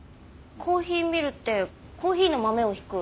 コーヒーミルってコーヒーの豆をひく？